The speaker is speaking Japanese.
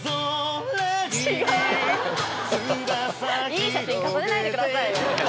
いい写真重ねないでくださいよ